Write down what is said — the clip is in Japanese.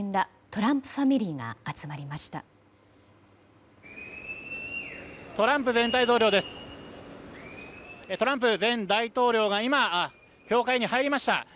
トランプ前大統領が今教会に入りました。